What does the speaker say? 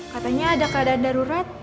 katanya ada keadaan darurat